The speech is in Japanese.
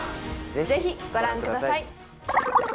ぜひご覧ください。